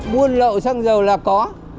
buôn lậu xăng dầu là có